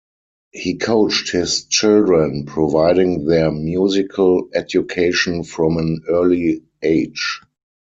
He coached his children, providing their musical education from an early age.